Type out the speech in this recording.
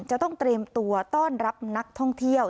จะต้องเตรียมตัวต้อนรับนักท่องเที่ยว